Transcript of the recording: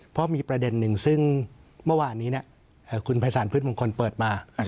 เพราะมีประเด็นหนึ่งซึ่งเมื่อวานนี้คุณภัยศาลพืชมงคลเปิดมา